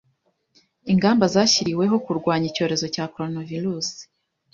ingamba zashyiriweho kurwanya Icyorezo cya Koronavirusi